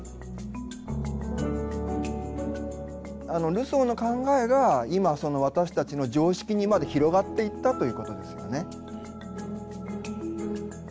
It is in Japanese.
ルソーの考えが今私たちの常識にまで広がっていったということですよね。